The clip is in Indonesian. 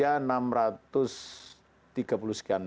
yang tersedia enam ratus tiga puluh sekian